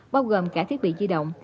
bao gồm cả thiết bị di động